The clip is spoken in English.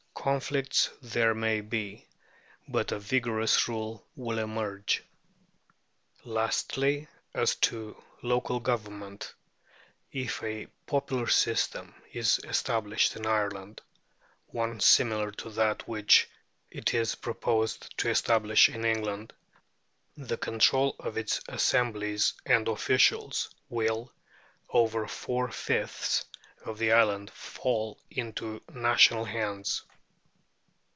Conflicts there may be, but a vigorous rule will emerge. Lastly, as to local government. If a popular system is established in Ireland one similar to that which it is proposed to establish in England the control of its assemblies and officials will, over four fifths of the island, fall into Nationalist hands.